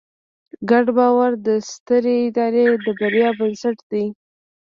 ګډ باور د سترې ادارې د بریا بنسټ دی.